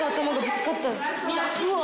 うわ。